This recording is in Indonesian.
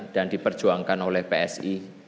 dan diperjuangkan oleh psi